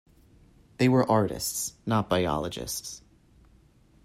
They were artists, not biologists.